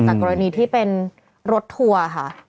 กรณีที่เป็นรถทัวร์ค่ะ